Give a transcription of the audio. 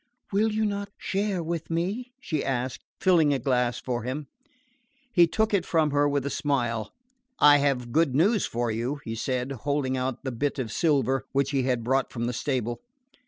"Will you not share with me?" she asked, filling a glass for him. He took it from her with a smile. "I have good news for you," he said, holding out the bit of silver which he had brought from the stable.